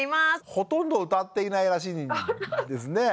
ほとんど歌っていないらしいですね。